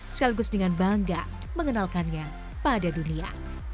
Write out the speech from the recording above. sekaligus dengan bangga mengenalkannya pada dunia